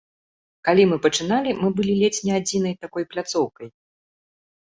Калі мы пачыналі, мы былі ледзь не адзінай такой пляцоўкай.